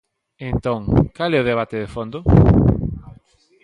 Entón, ¿cal é o debate de fondo?